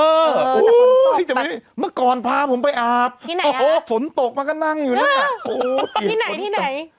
เออแต่ฝนตกปัดมันก่อนพาผมไปอาบฝนตกมันก็นั่งอยู่แล้วค่ะโอ้โหที่ไหนที่ไหน